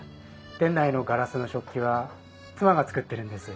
店内のガラスの食器は妻が作ってるんです。